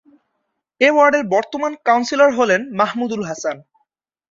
এ ওয়ার্ডের বর্তমান কাউন্সিলর হলেন মাহমুদুল হাসান।